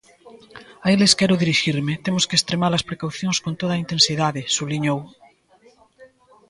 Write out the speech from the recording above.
"A eles quero dirixirme; temos que extremar as precaucións con toda a intensidade", subliñou.